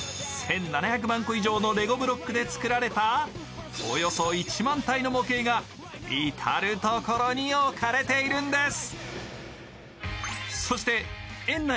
１７００万個以上のレゴブロックで作られた、およそ１万体の模型が至る所に置かれているんです。